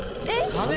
サメ！？